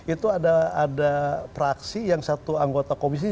itu ada praksi yang satu anggota komisi